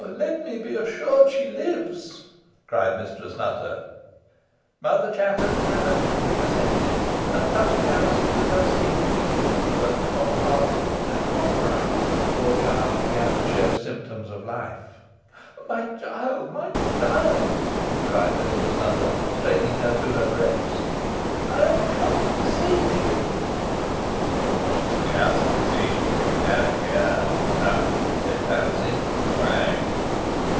Let me be assured she lives!" cried Mistress Nutter. Mother Chattox reluctantly assented, and, touching Alizon with her skinny finger, first upon the heart and then upon the brow, the poor girl began to show symptoms of life. "My child my child!" cried Mistress Nutter, straining her to her breast; "I am come to save thee!" "You will scarce succeed, if you tarry here longer," said Fancy. "Away!"